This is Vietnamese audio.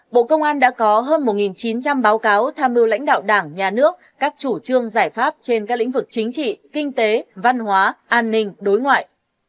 bộ công an đã có hơn một báo cáo tham mưu lãnh đạo đảng nhà nước các chủ trương giải pháp trên các lĩnh vực chính trị kinh tế văn hoá an ninh đối ngoại